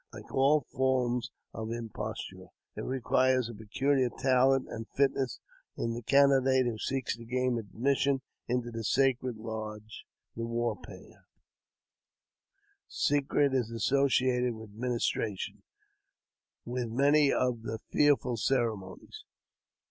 Like all forms of imposture, it requires a peculiar talent and fitness in the candidate who seeks to gain admission into the sacred lodge. The war path 152 AUTOBIOGBAPHY OF secret is associated with the ministration, with many othe fearful ceremonies.